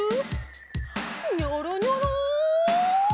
ニョロニョロ。